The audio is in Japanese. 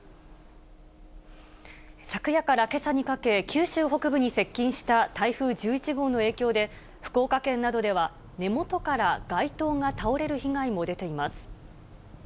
昨夜からけさにかけ、九州北部に接近した台風１１号の影響で、福岡県などでは、根元から街灯が倒れる被害も出ています。